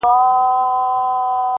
• نه د شین سترګي تعویذ ګر له کوډو -